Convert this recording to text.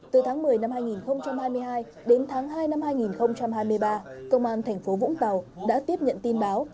từ tháng một mươi năm hai nghìn hai mươi hai đến tháng hai năm hai nghìn hai mươi ba công an thành phố vũng tàu đã tiếp nhận tin báo